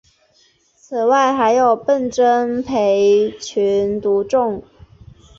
此外还有笨珍培群独中。